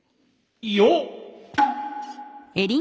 よっ！